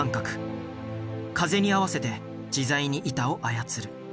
風に合わせて自在に板を操る。